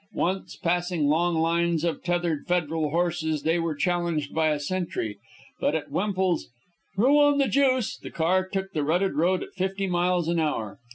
Once, passing long lines of tethered federal horses, they were challenged by a sentry; but at Wemple's "Throw on the juice!" the car took the rutted road at fifty miles an hour.